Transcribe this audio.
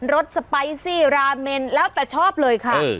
สสไปซี่ราเมนแล้วแต่ชอบเลยค่ะ